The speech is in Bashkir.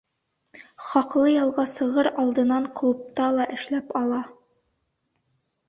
Хаҡлы ялға сығыр алдынан клубта ла эшләп ала.